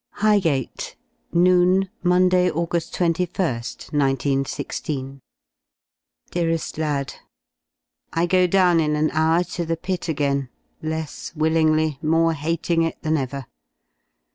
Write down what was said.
HIGHGATE Noon, Monday, August 21^, 191 6. Deare^ Lad, I go down in an hour to the pit again, less willingly, more hating it than ever.